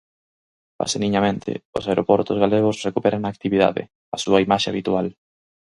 Paseniñamente, os aeroportos galegos recuperan a actividade, a súa imaxe habitual.